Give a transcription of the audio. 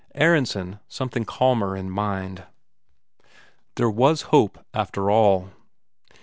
Aronsen something calmer in mind there was hope after all.